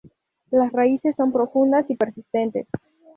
Las raíces son profundas y persistentes.